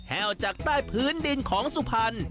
แห้วจากใต้พื้นดินของสุพรรณ